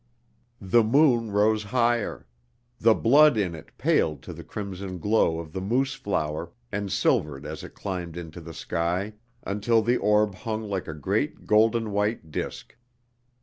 The moon rose higher; the blood in it paled to the crimson glow of the moose flower, and silvered as it climbed into the sky, until the orb hung like a great golden white disk.